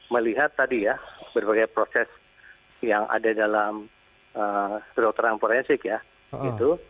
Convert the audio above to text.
melihat tadi ya berbagai proses yang ada dalam kedokteran forensik ya gitu